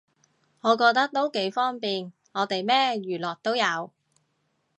我覺得都幾方便，我哋咩娛樂都有